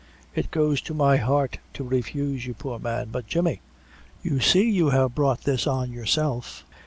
It goes to my heart to refuse you, poor man; but Jemmy, you see you have brought this on yourself.